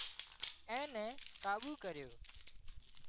اين نين ڪاٻو ڪريو